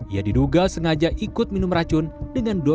ia diduga sengaja ikut minum racun dengan dua anaknya